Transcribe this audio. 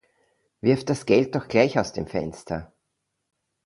Wirf das Geld doch gleich aus dem Fenster!